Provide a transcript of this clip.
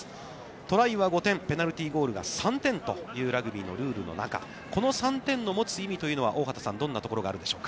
トライは５点ペナルティーゴールが３点というラグビーのルールの中、この３点の持つ意味というのは、大畑さん、どんなところがあるでしょうか。